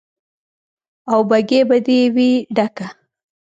او بګۍ به دې وي ډکه